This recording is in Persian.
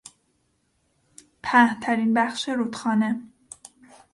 پهنترین بخش رودخانه